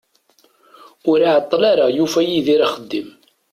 Ur iεeṭṭel ara yufa Yidir axeddim.